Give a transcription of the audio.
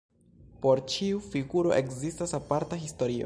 Por ĉiu figuro ekzistas aparta historio.